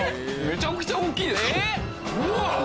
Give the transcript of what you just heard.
めちゃくちゃ大きいですよ。